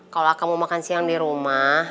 kalau aku mau makan siang di rumah